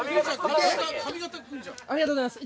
ありがとうございます・